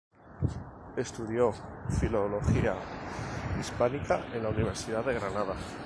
Estudió Filología Hispánica en la Universidad de Granada.